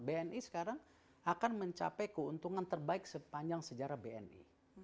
bni sekarang akan mencapai keuntungan terbaik sepanjang sejarah bni